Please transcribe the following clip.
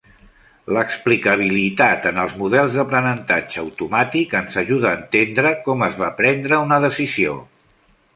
L'explicabilitat en els models d'aprenentatge automàtic ens ajuda a entendre com es va prendre una decisió.